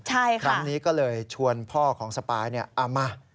ใช่ค่ะครั้งนี้ก็เลยชวนพ่อของสปายมา